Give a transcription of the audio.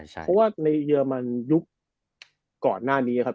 เพราะว่าในเยอรมันยุคก่อนหน้านี้ครับ